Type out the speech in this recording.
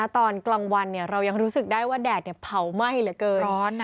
ตอนกลางวันเรายังรู้สึกได้ว่าแดดเผาไหม้เหลือเกิน